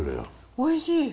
おいしい。